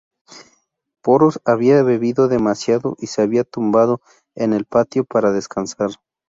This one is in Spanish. Poros había bebido demasiado y se había tumbado en el patio para descansar.